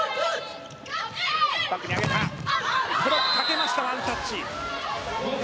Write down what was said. ブロックかけましたがワンタッチ。